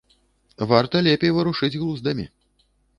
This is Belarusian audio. Варта лепей варушыць глуздамі.